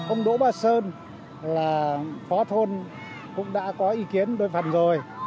ông đỗ ba sơn là phó thôn cũng đã có ý kiến đối phần rồi